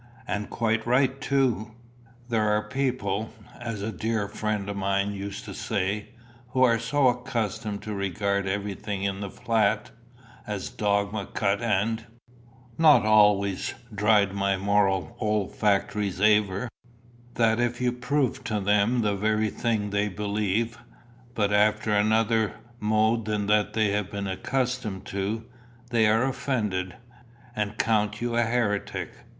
And quite right too. There are people, as a dear friend of mine used to say, who are so accustomed to regard everything in the flat, as dogma cut and not always dried my moral olfactories aver that if you prove to them the very thing they believe, but after another mode than that they have been accustomed to, they are offended, and count you a heretic.